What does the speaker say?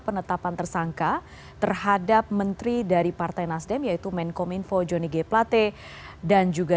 penetapan tersangka terhadap menteri dari partai nasdem yaitu menkominfo johnny g plate dan juga